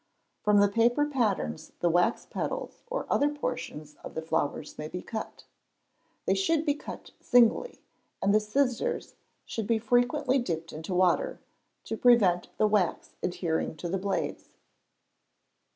From the paper patterns the wax petals or other portions of the flowers may be cut. They should be cut singly, and the scissors should be frequently dipped into water, to prevent the wax adhering to the blades.